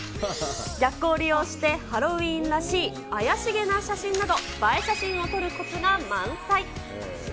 逆光を利用して、ハロウィーンらしい怪しげな写真など、映え写真を撮るコツが満載。